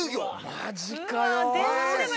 マジかよ。